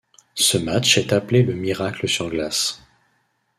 Ce match est appelé le Miracle sur glace.